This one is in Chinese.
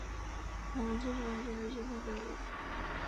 阮文清从小接受西方教育。